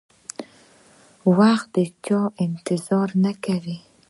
وخت د چا انتظار نه کوي.